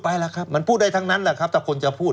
บยนต์สอบสวนก็ไม่มาเอา